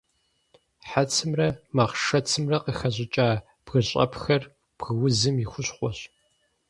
Хьэцымрэ махъшэцымрэ къыхэщӏыкӏа бгыщӏэпхэр бгыузым и хущхъуэщ.